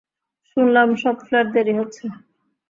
শুনলাম সব ফ্লাইটই দেরি হচ্ছে।